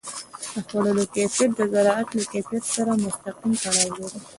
د خوړو کیفیت د زراعت له کیفیت سره مستقیم تړاو لري.